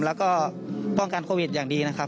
แล้วก็ป้องกันโควิดอย่างดีนะครับ